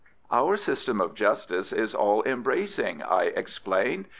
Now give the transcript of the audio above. "Our system of justice is all embracing," I explained.